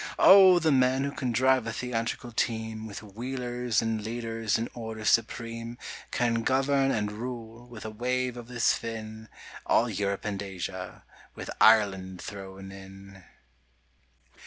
Oh, the man who can drive a theatrical team, With wheelers and leaders in order supreme, Can govern and rule, with a wave of his fin, All Europe and Asia—with Ireland thrown in!